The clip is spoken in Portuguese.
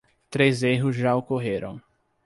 Três erros já ocorreram